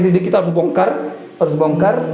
jadi kita harus bongkar